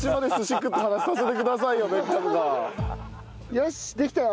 よしできたよ。